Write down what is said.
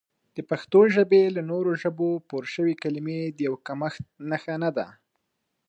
د پښتو ژبې له نورو ژبو پورشوي کلمې د یو کمښت نښه نه ده